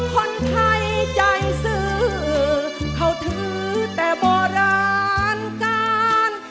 คนไทยใจซื้อเขาถือแต่โบราณการ